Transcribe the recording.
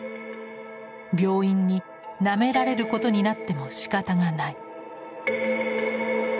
病院に「『なめられる』ことになってもしかたがない」。